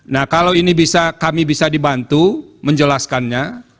nah kalau ini bisa kami bisa dibantu menjelaskannya